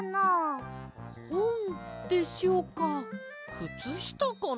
くつしたかな。